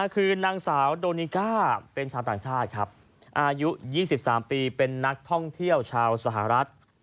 คือนางสาวโดนิก้าเป็นชาวต่างชาติครับอายุ๒๓ปีเป็นนักท่องเที่ยวชาวสหรัฐ